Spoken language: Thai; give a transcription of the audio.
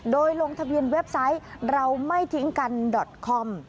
โดยลงทะเบียนเว็บไซต์เราไม่ทิ้งกันดอตคอม